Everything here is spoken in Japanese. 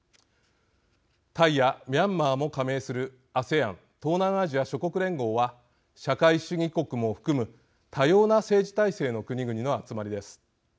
タイやミャンマーも加盟するＡＳＥＡＮ＝東南アジア諸国連合は社会主義国も含む多様な政治体制の国々の集まりです。